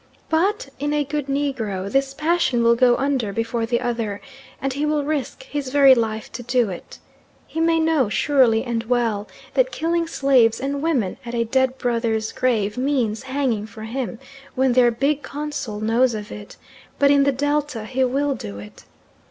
But, in a good negro, this passion will go under before the other, and he will risk his very life to do it. He may know, surely and well, that killing slaves and women at a dead brother's grave means hanging for him when their Big Consul knows of it, but in the Delta he will do it.